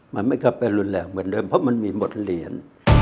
มันไม่กลับไปรุนแรงเหมือนเดิมเพราะมันมีบทเรียน